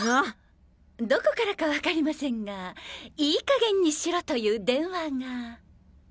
どこからか分かりませんが「いい加減にしろ！」という電話が。